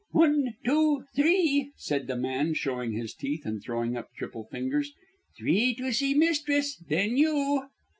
"One, two, three," said the man, showing his teeth and throwing up triple fingers. "Three to see mistress. Then you."